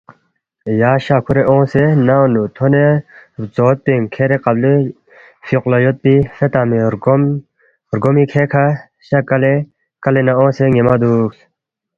یا شَہ کھُورے اونگسے ننگ نُو تھونے بزوت پِنگ کھیرے قبلی فیوخ لہ یودپی فے تنگمی رگومی کھے کھہ شا کلے نہ اونگسے نِ٘یمہ دُوکس